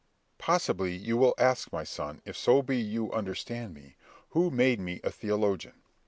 "Possibly you will ask, my son, if so be you understand me, who made me a theologian?